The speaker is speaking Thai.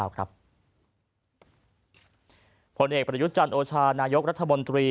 ผลเอกประยุทธ์จันโอชานายกรัฐมนตรี